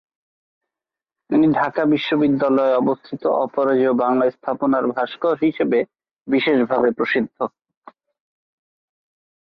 তিনি ঢাকা বিশ্ববিদ্যালয়ে অবস্থিত অপরাজেয় বাংলা স্থাপনার ভাস্কর হিসেবে বিশেষভাবে প্রসিদ্ধ।